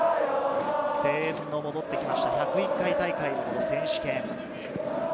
声援が戻ってきました、１０１回大会の選手権。